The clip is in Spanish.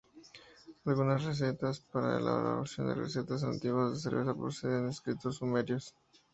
Algunas recetas para la elaboración de recetas antiguas de cerveza proceden de escritos sumerios.